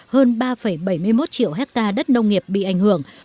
hơn ba bảy mươi một triệu hectare đất nông